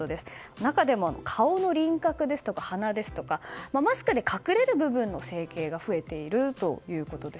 中でも、顔の輪郭や鼻といったマスクで隠れる部分の整形が増えているということです。